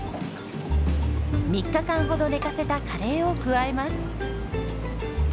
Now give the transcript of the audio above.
３日間ほど寝かせたカレーを加えます。